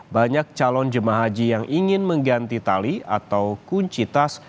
banyak calon jemaah haji yang ingin mengganti tali atau kunci tas